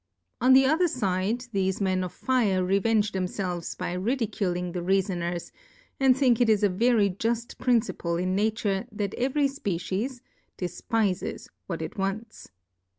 On the other Side, thefe Men of Fire revenge themfelves by ridiculing theReafoners ; and think it is a very )ull Principle in Nature, that every Species defpifes what it wants.